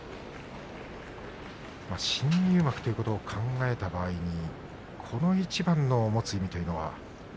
新入幕ということを考えた場合にこの一番の持つ意味というのは。